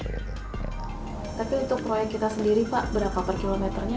tapi untuk proyek kita sendiri pak berapa per kilometernya